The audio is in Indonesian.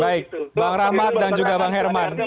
baik bang rahmat dan juga bang herman